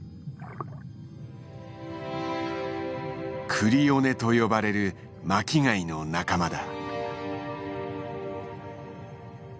クリオネと呼ばれる巻き貝の仲間だ。